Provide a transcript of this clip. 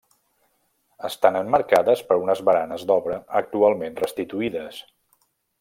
Estan emmarcades per unes baranes d'obra actualment restituïdes.